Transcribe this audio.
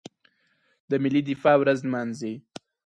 د ملي دفاع ورځ نمانځي.